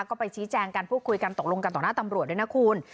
ก็ไปชี้แจงการพูดคุยกันตกลงกันต่อหน้าตำรวจด้วยนะคุณ